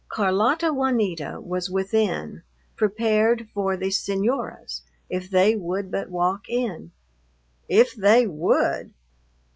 Carlota Juanita was within, prepared for the señoras, if they would but walk in. If they would!